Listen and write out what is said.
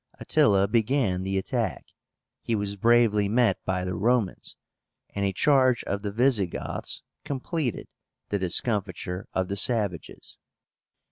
Attila began the attack. He was bravely met by the Romans; and a charge of the Visigoths completed the discomfiture of the savages.